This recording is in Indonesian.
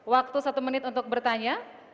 waktu satu menit untuk bertanya